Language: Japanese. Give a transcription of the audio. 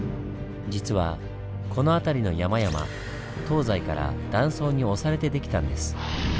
実はこの辺りの山々東西から断層に押されてできたんです。